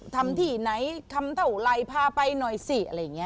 ทำที่ไหนทำเท่าไรพาไปหน่อยสิอะไรอย่างนี้